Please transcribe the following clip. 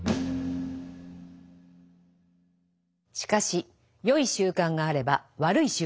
しかしよい習慣があれば悪い習慣もある。